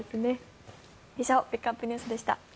以上ピックアップＮＥＷＳでした。